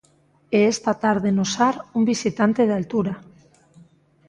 E esta tarde no Sar un visitante de altura.